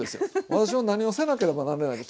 私は何をせなければならないか。